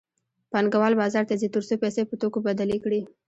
پانګوال بازار ته ځي تر څو پیسې په توکو بدلې کړي